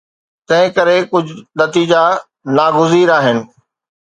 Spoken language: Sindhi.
تنهن ڪري ڪجهه نتيجا ناگزير آهن.